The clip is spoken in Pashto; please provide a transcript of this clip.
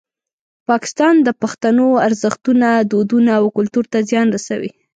پاکستان د پښتنو ارزښتونه، دودونه او کلتور ته زیان رسوي.